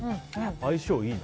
相性いいの？。